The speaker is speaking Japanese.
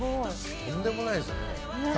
とんでもないですね。